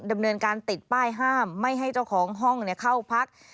ดำเนินการติดป้ายห้ามไม่ให้เจ้าของห้องเข้าพัก